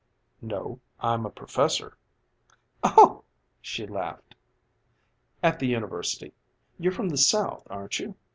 "No, I'm a professor." "Oh," she laughed. "At the university. You're from the South, aren't you?"